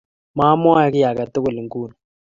Mamwoe kiy ake tugul nguni.